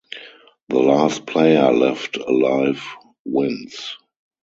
The last player left alive wins.